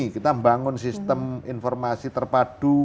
kita membangun sistem informasi terpadu